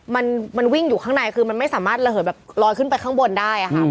มันวิ่งอยู่ข้างในคือมันไม่สามารถระเหยแบบลอยขึ้นไปข้างบนได้อะค่ะ